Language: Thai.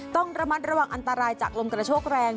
ต้องระมัดระวังอันตรายจากลมกระโชกแรง